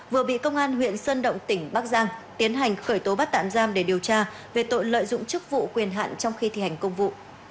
vừa bị công an huyện sơn động tỉnh bắc giang tiến hành khởi tố bắt tạm giam để điều tra về tội lợi dụng chức vụ quyền hạn trong khi thi hành công vụ